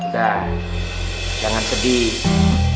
dan jangan sedih